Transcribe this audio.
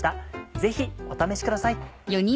ぜひお試しください。